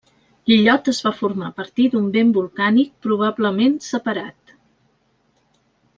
L'illot es va formar a partir d'un vent volcànic probablement separat.